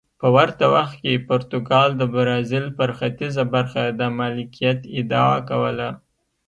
په ورته وخت کې پرتګال د برازیل پر ختیځه برخه د مالکیت ادعا کوله.